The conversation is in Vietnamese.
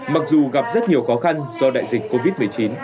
mặc dù gặp rất nhiều khó khăn do đại dịch covid một mươi chín